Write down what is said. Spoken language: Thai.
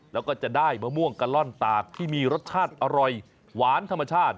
แล้วก็จะได้มะม่วงกะล่อนตากที่มีรสชาติอร่อยหวานธรรมชาติ